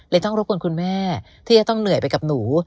ต้องรบกวนคุณแม่ที่จะต้องเหนื่อยไปกับหนู